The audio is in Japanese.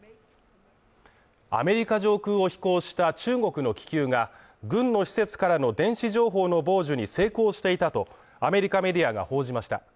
アメリカ上空を飛行した中国の気球が、軍の施設からの電子情報の傍受に成功していたとアメリカメディアが報じました。